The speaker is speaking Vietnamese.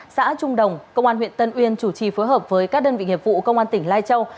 xã trung đồng công an huyện tân uyên chủ trì phối hợp với các đơn vị nghiệp vụ công an tỉnh lai châu